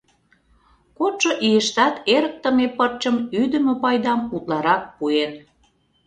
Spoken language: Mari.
Кодшо ийыштат эрыктыме пырчым ӱдымӧ пайдам утларак пуэн.